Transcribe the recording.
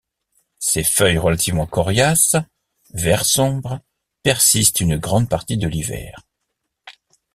Ces feuilles relativement coriaces, vert sombre, persistent une grande partie de l'hiver.